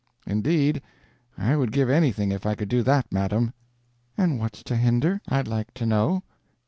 "Indeed, I would give anything if I could do that, madam." "And what's to hender, I'd like to know?